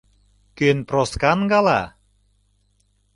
— Кӧн Проскан гала?